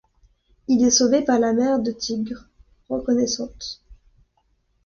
Il est sauvé par la mère de Tigre, reconnaissante.